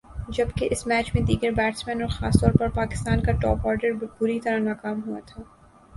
جبکہ اس میچ میں دیگر بیٹسمین اور خاص طور پر پاکستان کا ٹاپ آرڈر بری طرح ناکام ہوا تھا